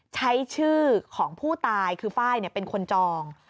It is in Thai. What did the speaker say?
ใช้ชื่อของผู้ตายคือไฟล์เป็นคนจอง